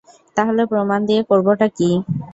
তাহলে প্রমাণ দিয়ে করবোটা কী?